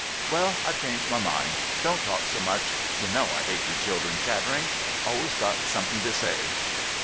"Well, I've changed my mind. Don't talk so much. You know I hate you children chattering. Always got something to say."